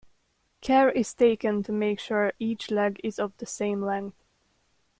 Care is taken to make sure each leg is of the same length.